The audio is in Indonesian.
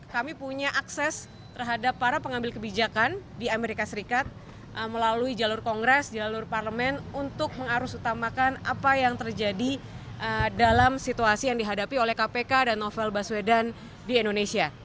kami punya akses terhadap para pengambil kebijakan di amerika serikat melalui jalur kongres jalur parlemen untuk mengarus utamakan apa yang terjadi dalam situasi yang dihadapi oleh kpk dan novel baswedan di indonesia